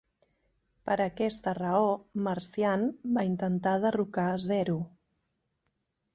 Per aquesta raó Marcian va intentar derrocar Zero.